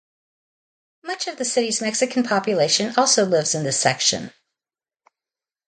Much of the city's Mexican population also lives in this section.